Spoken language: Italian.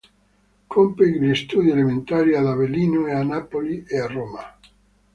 Compì gli studi elementari ad Avellino e a Napoli e a Roma.